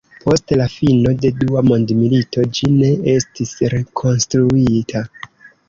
Post la fino de Dua Mondmilito ĝi ne estis rekonstruita.